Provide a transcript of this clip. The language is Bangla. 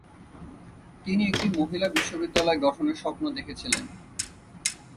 তিনি একটি মহিলা বিশ্ববিদ্যালয় গঠনের স্বপ্ন দেখেছিলেন।